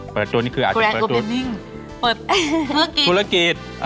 เปิดตัวนี่คืออาจจะเปิดจุดอเรนนี่เปิดธุรกิจ